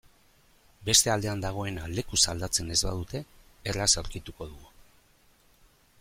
Beste aldean dagoena lekuz aldatzen ez badute erraz aurkituko dugu.